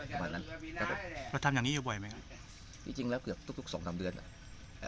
ประมาณนั้นครับผมเราทำอย่างนี้อยู่บ่อยไหมจริงจริงแล้วเกือบทุกทุกสองทำเดือนอ่ะ